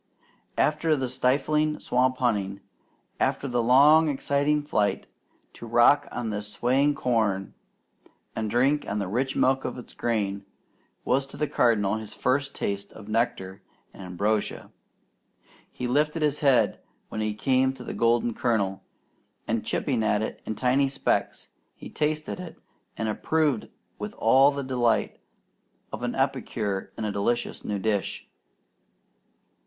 After the stifling swamp hunting, after the long exciting flight, to rock on this swaying corn and drink the rich milk of the grain, was to the Cardinal his first taste of nectar and ambrosia. He lifted his head when he came to the golden kernel, and chipping it in tiny specks, he tasted and approved with all the delight of an epicure in a delicious new dish.